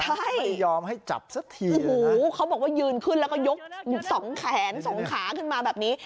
ใช่ไม่ยอมให้จับสักทีโอ้โหเขาบอกว่ายืนขึ้นแล้วก็ยกสองแขนสองขาขึ้นมาแบบนี้